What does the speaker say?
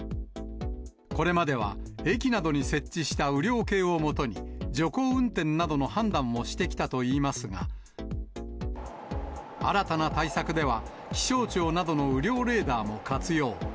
これまでは駅などに設置した雨量計をもとに、徐行運転などの判断をしてきたといいますが、新たな対策では、気象庁などの雨量レーダーも活用。